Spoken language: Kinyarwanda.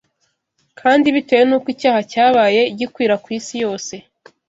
kandi bitewe n’uko icyaha cyabaye gikwira ku isi yose